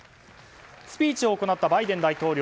スピーチを行ったバイデン大統領。